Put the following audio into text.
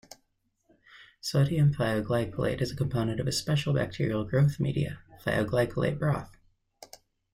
Sodium thioglycolate is a component of a special bacterial growth media : thioglycolate broth.